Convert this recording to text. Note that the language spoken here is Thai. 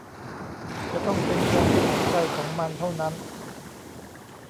จะต้องเป็นเงินของใครของมันเท่านั้น